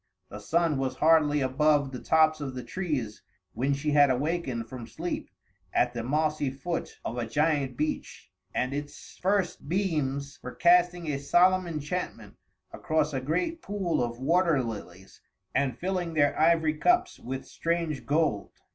The sun was hardly above the tops of the trees when she had awakened from sleep at the mossy foot of a giant beech, and its first beams were casting a solemn enchantment across a great pool of water lilies and filling their ivory cups with strange gold.